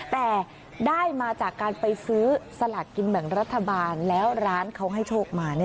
แต่ได้มาจากการไปซื้อสลากกินแบ่งรัฐบาลแล้วร้านเขาให้โชคมา